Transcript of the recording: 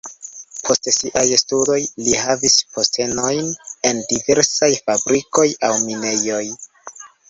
Post siaj studoj li havis postenojn en diversaj fabrikoj aŭ minejoj.